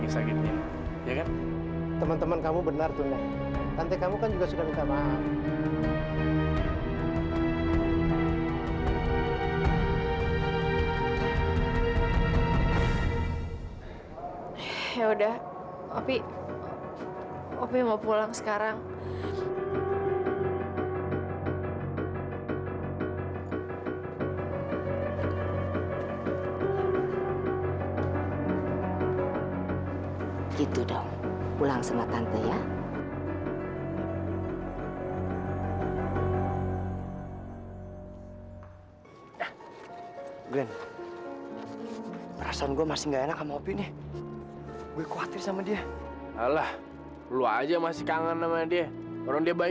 saya harus berterima kasih karena